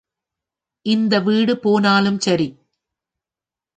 இந்த வீடு போனலும் சரி!